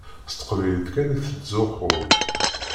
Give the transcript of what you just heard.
S teqbaylit kan i tettzuxxuḍ.